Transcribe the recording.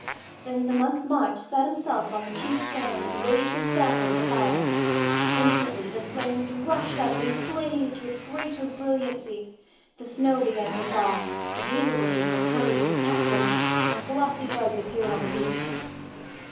Then the Month March sat himself on the chief stone, and waved his staff over the fire. Instantly the flames rushed up and blazed with greater brilliancy, the snow began to thaw, the hazel bushes were covered with catkins, and glossy buds appeared on the beech.